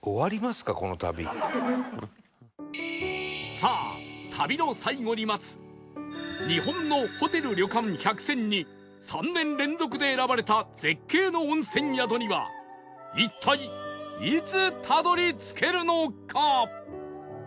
さあ旅の最後に待つ「日本のホテル・旅館１００選」に３年連続で選ばれた絶景の温泉宿には一体いつたどり着けるのか？